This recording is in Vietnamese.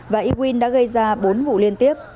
và ywin đã gây ra bốn vụ liên tiếp